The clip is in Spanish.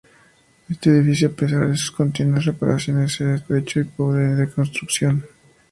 Este edificio, a pesar de sus continuas reparaciones, era estrecho y pobre de construcción.